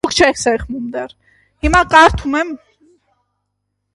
Կիրասոնի մէջ եղբօր հետ ունեցած են սեփական դեղատուն եւ դեղագործ աշխատած։